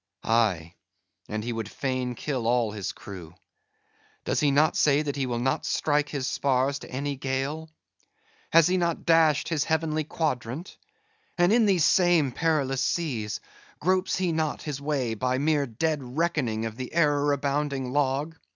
—Aye and he would fain kill all his crew. Does he not say he will not strike his spars to any gale? Has he not dashed his heavenly quadrant? and in these same perilous seas, gropes he not his way by mere dead reckoning of the error abounding log?